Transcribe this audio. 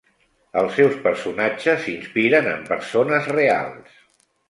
Els seus personatges s'inspiren en persones reals.